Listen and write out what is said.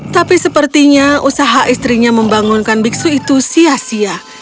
tapi sepertinya usaha istrinya membangunkan biksu itu sia sia